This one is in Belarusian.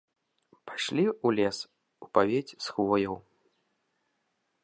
Пайшлі ў лес, у павець з хвояў.